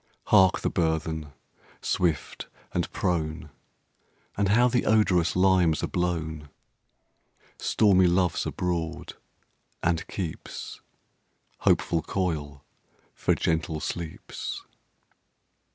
Hark! the burthen, swift and prone! And how the odorous limes are blown! Stormy Love's abroad, and keeps Hopeful coil for gentle sleeps.